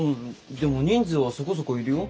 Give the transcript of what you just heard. でも人数はそこそこいるよ。